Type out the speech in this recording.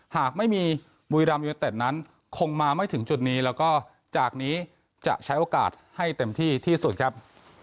หากไม่มีบุรีรัมยูเนเต็ดนั้นคงมาไม่ถึงจุดนี้แล้วก็จากนี้จะใช้โอกาสให้เต็มที่ที่สุดครับ